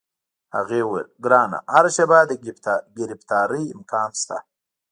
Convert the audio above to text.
هغې وویل: ګرانه، هره شیبه د ګرفتارۍ امکان شته.